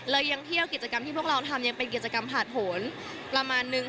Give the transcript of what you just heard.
ยังเที่ยวกิจกรรมที่พวกเราทำยังเป็นกิจกรรมผ่านผลประมาณนึง